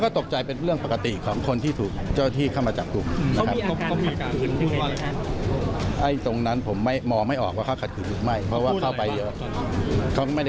ตลอดเวลาการสอบปากคำ